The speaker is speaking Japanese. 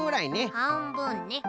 はんぶんね。